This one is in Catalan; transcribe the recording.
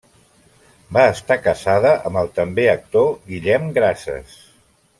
Va estar casada amb el també actor Guillem Grases.